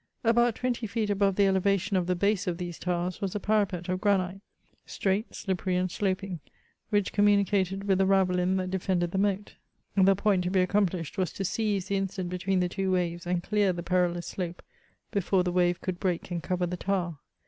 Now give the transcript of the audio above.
Ahout twenty feet ahove the elevation of the hase of these towers was a parapet of granite, straight, slippery, and sloping, which communicated with the ravelin that defended the moat : the point to he accomplished was to seize the instant hetween the two waves, and dear the perilous slope before the wave could break and cover the tower.